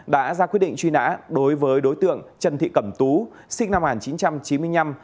đã ra quyết định truy nã đối với đối tượng trần thị cẩm tú sinh năm một nghìn chín trăm chín mươi năm